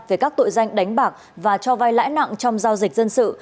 về các tội danh đánh bạc và cho vai lãi nặng trong giao dịch dân sự